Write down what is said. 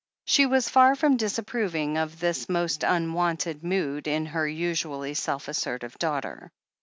She was far from disapproving of this most un wonted mood in her usually self assertive daughter.